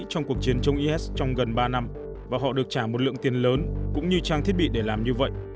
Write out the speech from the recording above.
trong cuộc chiến chống is trong gần ba năm và họ được trả một lượng tiền lớn cũng như trang thiết bị để làm như vậy